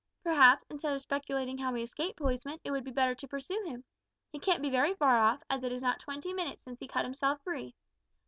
"Perhaps, instead of speculating how he escaped, policeman, it would be better to pursue him. He can't be very far off, as it is not twenty minutes since he cut himself free."